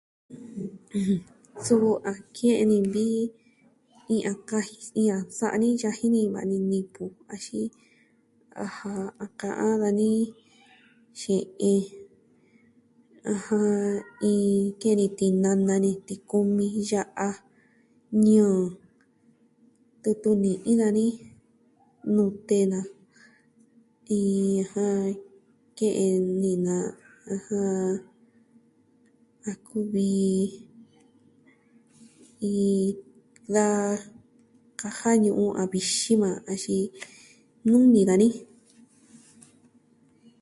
Suu a, kajie'e ni vi, iin a kaj... iin a sa'a ni yaji ni va ni niku, axin, ajan, a ka'an dani jin iin, ajan iin kene tinana ni tikumi jin ya'a ñɨɨ, tutu ni iin dani, nute na, iin... ke'en ni na, ajan, a kuvi iin da... kaja ñu'un a vixin maa, axin nuni dani.